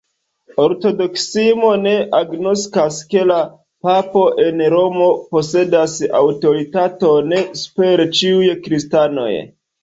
Ortodoksismo ne agnoskas, ke la papo en Romo posedas aŭtoritaton super ĉiuj Kristanoj.